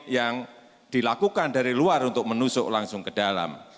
yang dilakukan dari luar untuk menusuk langsung ke dalam